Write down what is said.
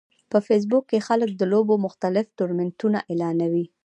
په فېسبوک کې خلک د لوبو مختلف ټورنمنټونه اعلانوي